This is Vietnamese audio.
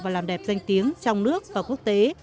và làm đẹp danh tiếng trong nước và quốc tế